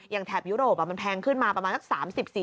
อย่างแถบยุโรปอ่ะมันแพงขึ้นมาประมาณสัก๓๐๔๐อ่ะ